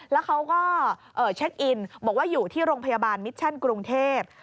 แล้วเขาก็เช็คอินบอกว่าอยู่ที่โรงพยาบาลมิชชั่นกรุงเทพ